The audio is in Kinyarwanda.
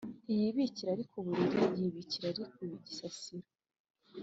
Ntiyibikira ari ku Buriri: yibikira ari ku gisasiro